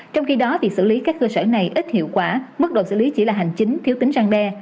trong khi đó việc xử lý các cơ sở này ít hiệu quả mức độ xử lý chỉ là hành chính thiếu tính răng đe